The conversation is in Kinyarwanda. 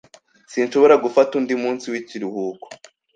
Sinshobora gufata undi munsi w'ikiruhuko.